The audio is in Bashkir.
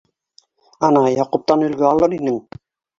- Ана, Яҡуптан өлгө алыр инең...